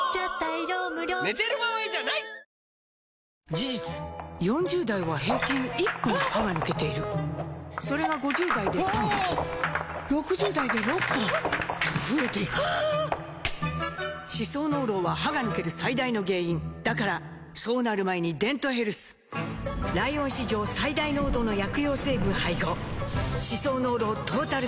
事実４０代は平均１本歯が抜けているそれが５０代で３本６０代で６本と増えていく歯槽膿漏は歯が抜ける最大の原因だからそうなる前に「デントヘルス」ライオン史上最大濃度の薬用成分配合歯槽膿漏トータルケア！